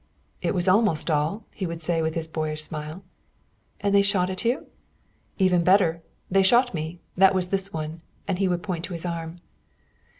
"It was almost all," he would say with his boyish smile. "And they shot at you?" "Even better. They shot me. That was this one." And he would point to his arm.